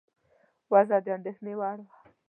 وضع د اندېښنې وړ وه.